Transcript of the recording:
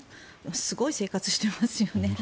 すごい生活してますよね。